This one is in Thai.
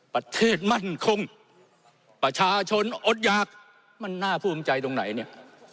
ประเทศมั่นคงประชาชนอดหยากมันน่าภูมิใจตรงไหนเนี่ย